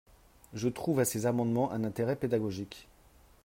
Je trouve à ces amendements un intérêt pédagogique.